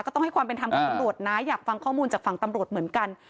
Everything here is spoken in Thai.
ต้องให้ความเป็นธรรมกับตำรวจนะอยากฟังข้อมูลจากฝั่งตำรวจเหมือนกัน